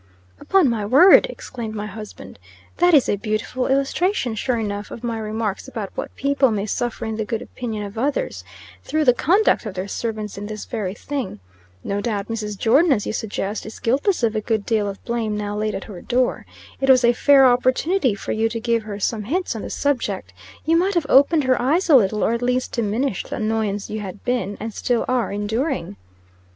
'" "Upon my word!" exclaimed my husband. "That is a beautiful illustration, sure enough, of my remarks about what people may suffer in the good opinion of others, through the conduct of their servants in this very thing. No doubt Mrs. Jordon, as you suggest, is guiltless of a good deal of blame now laid at her door. It was a fair opportunity for you to give her some hints on the subject. You might have opened her eyes a little, or at least diminished the annoyance you had been, and still are enduring."